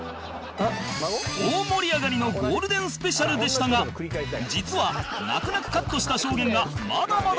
大盛り上がりのゴールデンスペシャルでしたが実は泣く泣くカットした証言がまだまだあるんです